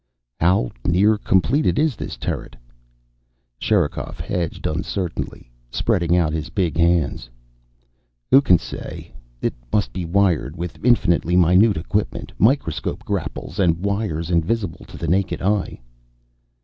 "How near completed is this turret?" Sherikov hedged uncertainly, spreading out his big hands. "Who can say? It must be wired with infinitely minute equipment microscope grapples and wires invisible to the naked eye."